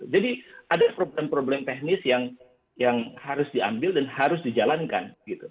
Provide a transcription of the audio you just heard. ada problem problem teknis yang harus diambil dan harus dijalankan